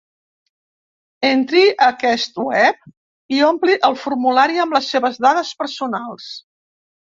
Entri a aquest web i ompli el formulari amb les seves dades personals.